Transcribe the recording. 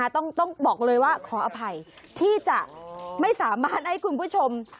ต้องบอกเลยว่าขออภัยที่จะไม่สามารถให้คุณผู้ชม